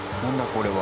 これは。